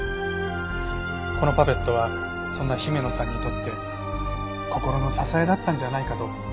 このパペットはそんな姫野さんにとって心の支えだったんじゃないかと僕は思います。